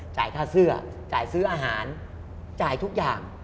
จ่ายค่าเสื้อจ่ายซื้ออาหารจ่ายทุกอย่าง